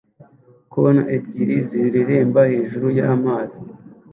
cono ebyiri zireremba hejuru yuruzi